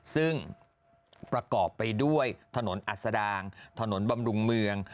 ซึ่งประกอบไปด้วยถนนอัศดางถนนบำรุงเมือง